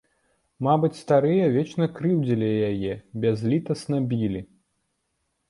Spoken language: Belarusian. Мабыць, старыя вечна крыўдзілі яе, бязлітасна білі.